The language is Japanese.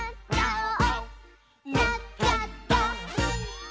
「なっちゃった！」